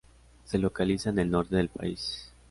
Se localiza en el norte del país.